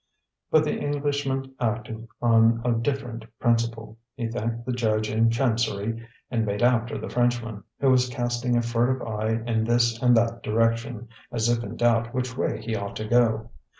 But the Englishman acted on a different principle. He thanked the judge in chancery and made after the Frenchman, who was casting a furtive eye in this and that direction, as if in doubt which way he ought to go.